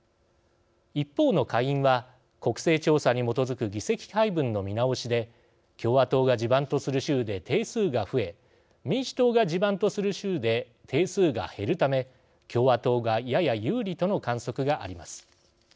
一方の下院は国勢調査に基づく議席配分の見直しで共和党が地盤とする州で定数が増え民主党が地盤とする州で定数が減るため共和党がやや有利との観測があります。